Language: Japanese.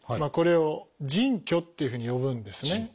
これを「腎虚」っていうふうに呼ぶんですね。